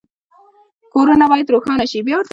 کورونه باید روښانه شي